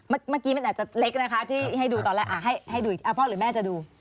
เมื่อกี้มันอาจจะเล็กนะคะที่ให้ดูตอนแรกให้ดูพ่อหรือแม่จะดู